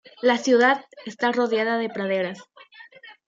La ciudad está rodeada de praderas.